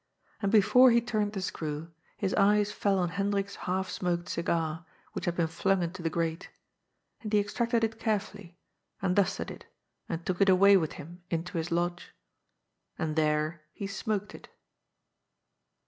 And before he turned the screw, his eyes fell on Hendrik's half smoked cigar, which had been flung into the grate. And he extracted it carefully, and dusted it, and took it away with him into his lodge. And there he smoked it.